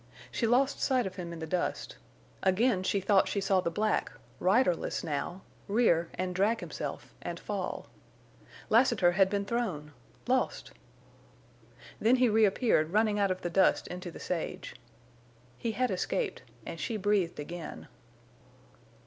She lost sight of him in the dust, again she thought she saw the black, riderless now, rear and drag himself and fall. Lassiter had been thrown—lost! Then he reappeared running out of the dust into the sage. He had escaped, and she breathed again.